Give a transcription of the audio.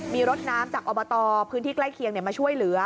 มีรถน้ำจากอบตพื้นที่ใกล้เคียงมาช่วยเหลือ